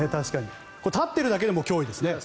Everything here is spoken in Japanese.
立っているだけでも脅威ですね。